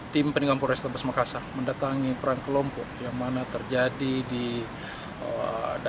tim peninggang porres tabes makassar mendatangi perang kelompok yang mana terjadi di daerah kandia